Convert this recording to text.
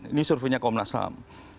ini surveinya komnas ham